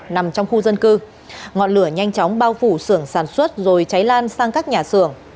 nằm trong khu dân cư ngọn lửa nhanh chóng bao phủ sưởng sản xuất rồi cháy lan sang các nhà xưởng